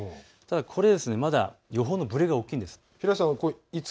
これ、予報のぶれが大きいんです。